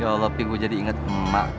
ya allah pit gua jadi inget emak